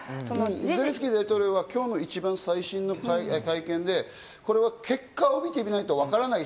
ゼレンスキー大統領は今日の一番最初の会見で、これは結果を見てみないとわからない。